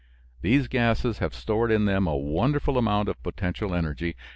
These gases have stored in them a wonderful amount of potential energy.